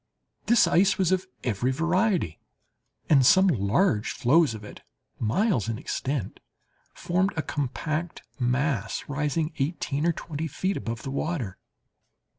This ice was of every variety—and some large floes of it, miles in extent, formed a compact mass, rising eighteen or twenty feet above the water.